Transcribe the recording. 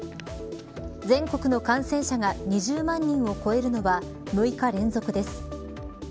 全国の感染者が２０万人を超えるのは６日連続です。